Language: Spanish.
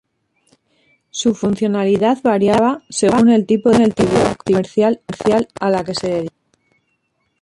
Su funcionalidad variaba según el tipo de actividad comercial a la que se dedicase.